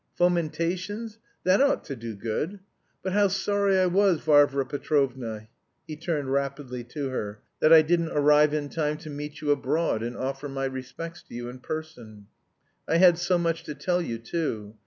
Fomentations? That ought to do good. But how sorry I was, Varvara Petrovna" (he turned rapidly to her) "that I didn't arrive in time to meet you abroad, and offer my respects to you in person; I had so much to tell you too.